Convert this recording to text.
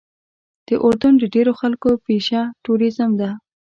د اردن د ډېرو خلکو پیشه ټوریزم ده.